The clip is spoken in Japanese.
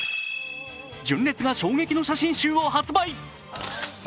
純烈が衝撃の写真集を発売。